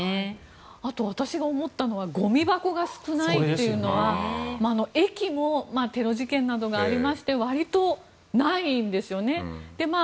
あと、私が思ったのはゴミ箱が少ないというのは駅もテロ事件などがありましてわりとないんですよね。